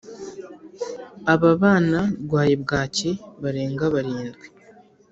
Ababana rwaye bwacyi barenga barindwi